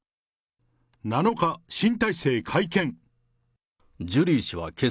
７日、新体制会見。